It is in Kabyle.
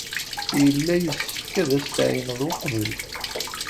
Yella yessefk ad as-tɛeyyneḍ uqbel.